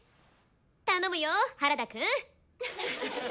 頼むよ原田くん！